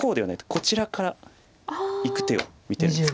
こちらからいく手を見てるんです。